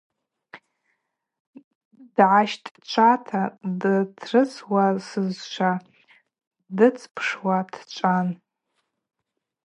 Дгӏащтӏчӏвата дтрысуашызшва дыцӏпшуа дчӏван.